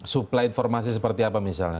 suplai informasi seperti apa misalnya